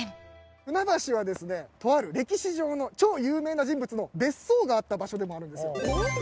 船橋はですねとある歴史上の超有名な人物の別荘があった場所でもあるんですよ。